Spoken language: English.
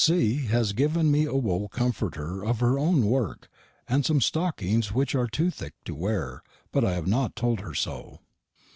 C. has given me a wool comforter of her owne worke, and sum stockings wich are two thick to ware, but I hav not told her so."